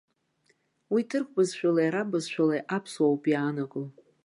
Уи ҭырқә бызшәалеи араб бызшәалеи аԥсуа ауп иаанаго.